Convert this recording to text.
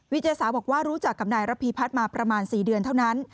เจสาวบอกว่ารู้จักกับนายระพีพัฒน์มาประมาณ๔เดือนเท่านั้น